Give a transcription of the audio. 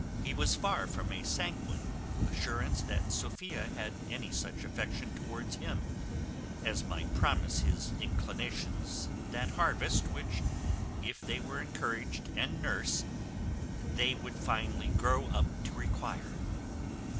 He was far from a sanguine assurance that Sophia had any such affection towards him, as might promise his inclinations that harvest, which, if they were encouraged and nursed, they would finally grow up to require.